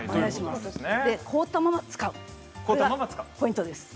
凍ったまま使うそれがポイントです。